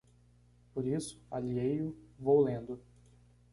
Por isso, alheio, vou lendo